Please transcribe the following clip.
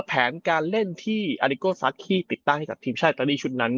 แผนการเล่นที่อาริโกซักขี้ติดตั้งให้กับทีมชาติอิตาลีชุดนั้น